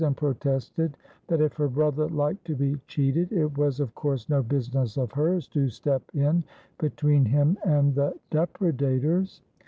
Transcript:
207 and protested that if her brother liked to be cheated it was of course no business of hers to step in between him and the depre dators.